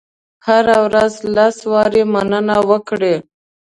هره ورځ لس وارې مننه وکړئ.